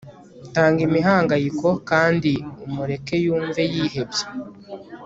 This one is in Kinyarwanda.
tanga imihangayiko kandi umureke yumve yihebye